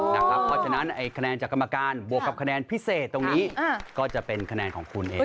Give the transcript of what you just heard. เพราะฉะนั้นคะแนนจากกรรมการบวกกับคะแนนพิเศษตรงนี้ก็จะเป็นคะแนนของคุณเอง